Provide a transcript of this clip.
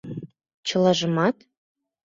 — Чылажымат?